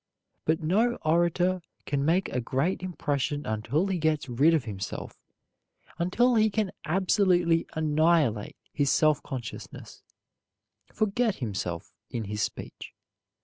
But no orator can make a great impression until he gets rid of himself, until he can absolutely annihilate his self consciousness, forget himself in his speech.